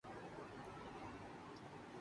اس کا سبب مشترقین کی سازش نہیں